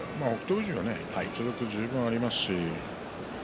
富士は実力は十分ありますし